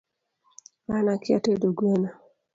An akia tedo gweno